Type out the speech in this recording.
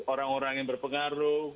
orang orang yang berpengaruh